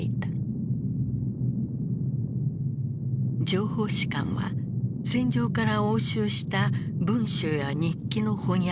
情報士官は戦場から押収した文書や日記の翻訳に当たった。